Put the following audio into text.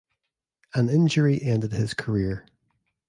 An injury ended his career.